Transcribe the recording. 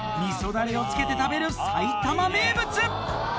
だれをつけて食べる埼玉名物